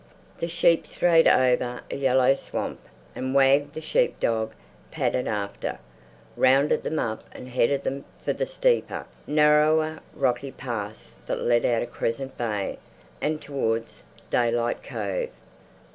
The sheep strayed over a yellow swamp and Wag, the sheep dog, padded after, rounded them up and headed them for the steeper, narrower rocky pass that led out of Crescent Bay and towards Daylight Cove.